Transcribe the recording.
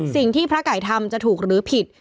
สิ่งที่พระไก่ทำจะถูกหรือผิด